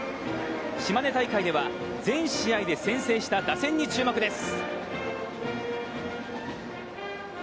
島根大会では全試合で先制した打線に注目です。